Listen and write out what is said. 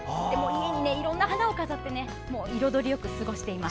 家にいろんな花を飾って彩りよく過ごしています。